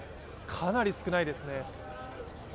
かなり少ないですね。